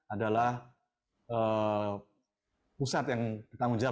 adalah pusat yang bertanggung jawab